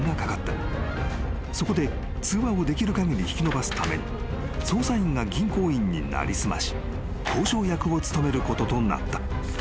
［そこで通話をできる限り引き延ばすために捜査員が銀行員に成り済まし交渉役を務めることとなった］